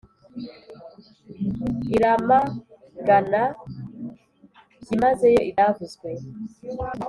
iramagana byimazeyo ibyavuzwe